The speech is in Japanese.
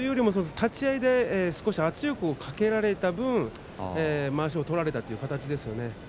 立ち合いで圧力をかけられた分まわしを取られたという形ですよね。